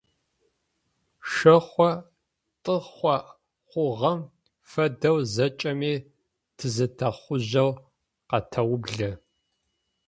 Шъохъо-тӏыхъо хъугъэм фэдэу зэкӏэми тызэтӏэхъужьэу къэтэублэ.